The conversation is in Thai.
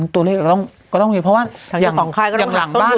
ตัวเลขก็ต้องมีเพราะว่าอย่างหลังบ้าน